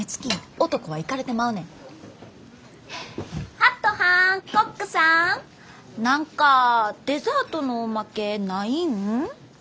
ハットはんコックさん何かデザートのおまけないん？